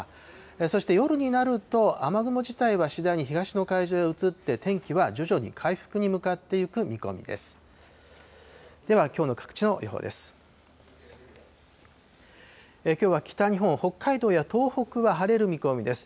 そして夜になると、雨雲自体は次第に東の海上に移って、天気は徐々に回復に向かっていく見込みです。